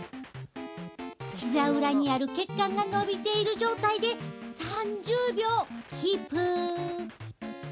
ひざ裏にある血管がのびている状態で３０秒キープ。